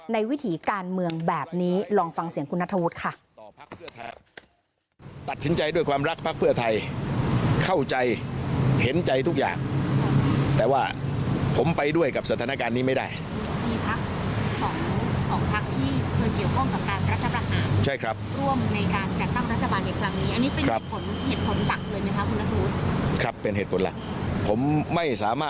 วิถีการเมืองแบบนี้ลองฟังเสียงคุณนัทธวุฒิค่ะ